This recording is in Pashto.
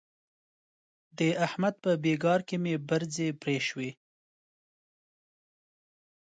د احمد په بېګار کې مې برځې پرې شوې.